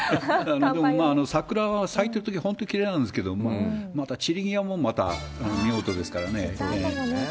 でも、桜は咲いたとき、本当きれいなんですけど、また散り際も、また見事ですからね。